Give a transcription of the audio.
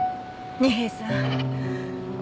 二瓶さん。